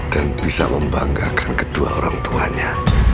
dan bisa membanggakan kedua orang tuanya